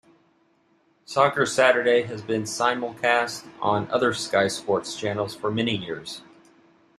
Soccer Saturday has been simulcast on other Sky Sports channels for many years.